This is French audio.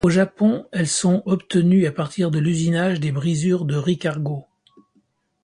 Au Japon, elles sont obtenues à partir de l'usinage des brisures de riz cargo.